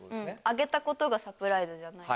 あげたことがサプライズではない。